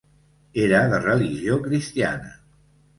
Era de religió cristiana.